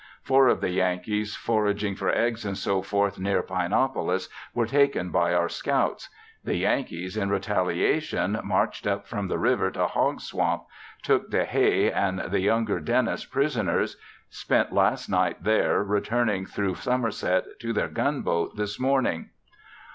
Four of the Yankees foraging for eggs, &c. near Pinopolis were taken by our scouts; the Yankees, in retaliation, marched up from the river to Hog Swamp, took DeHay and the younger Dennis prisoners, spent last night there returning through Somerset to their gun boat this morning.